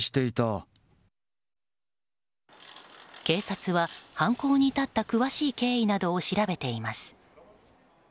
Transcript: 警察は、犯行に至った詳しい経緯などを調べています。